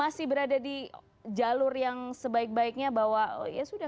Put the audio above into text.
atau masih berada di jalur yang sebaik baiknya bahwa pemerintah bisa menangkap pemerintah